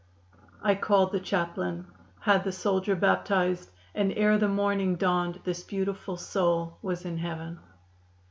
I called the chaplain, had the soldier baptized and ere the morning dawned this beautiful soul was in heaven."